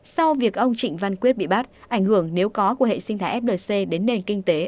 sau việc ông trịnh văn quyết bị bắt ảnh hưởng nếu có của hệ sinh thái flc đến nền kinh tế